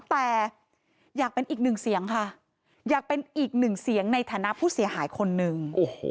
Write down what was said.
แต่อยากเป็นอีกหนึ่งเสียงค่ะอยากเป็นอีกหนึ่งเสียงในฐานะผู้เสียหายคนหนึ่ง